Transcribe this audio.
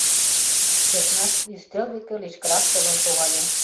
Йыгнат ӱстел деке лишкырак толын шогале.